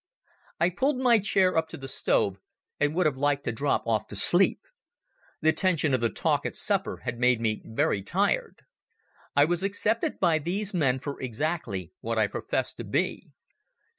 I pulled my chair up to the stove, and would have liked to drop off to sleep. The tension of the talk at supper had made me very tired. I was accepted by these men for exactly what I professed to be.